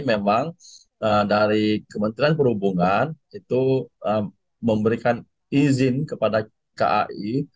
memang dari kementerian perhubungan itu memberikan izin kepada kai